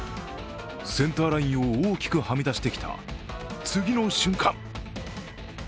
センターラインを大きくはみ出してきた次の瞬間。